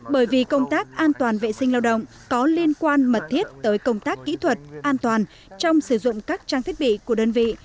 bởi vì công tác an toàn vệ sinh lao động có liên quan mật thiết tới công tác kỹ thuật an toàn trong sử dụng các trang thiết bị của đơn vị